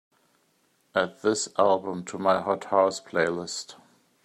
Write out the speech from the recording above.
Add this album to my hot house playlist